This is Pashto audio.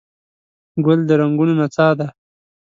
ګل د رنګونو نڅا ده.